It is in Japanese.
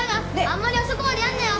あんまり遅くまでやんなよ！